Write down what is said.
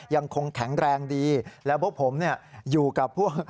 ยังคงแข็งแรงดีแล้วพวกผมเนี่ยอยู่กับพวก